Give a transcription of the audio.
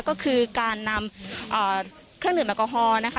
ก็คือการนำเครื่องดื่มแอลกอฮอล์นะคะ